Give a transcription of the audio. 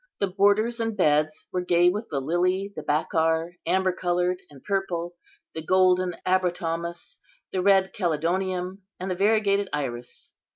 The borders and beds were gay with the lily, the bacchar, amber coloured and purple, the golden abrotomus, the red chelidonium, and the variegated iris.